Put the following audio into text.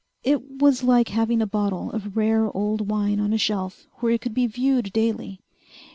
It was like having a bottle of rare old wine on a shelf where it could be viewed daily.